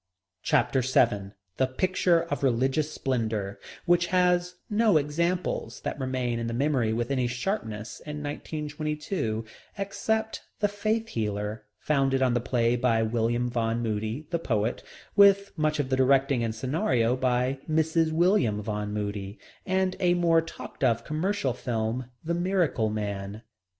Chapter VII The Picture of Religious Splendor, which has no examples, that remain in the memory with any sharpness in 1922, except The Faith Healer, founded on the play by William Vaughn Moody, the poet, with much of the directing and scenario by Mrs. William Vaughn Moody, and a more talked of commercial film, The Miracle Man.